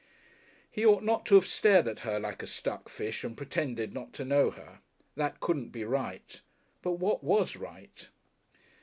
He ought not to have stared at her like a stuck fish and pretended not to know her. That couldn't be right. But what was right?